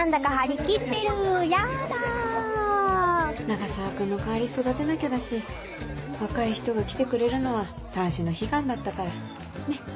永沢君の代わり育てなきゃだし若い人が来てくれるのはさんしの悲願だったからねっ。